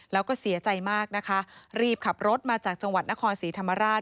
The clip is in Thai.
แล้วก็เสียใจมากนะคะรีบขับรถมาจากจังหวัดนครศรีธรรมราช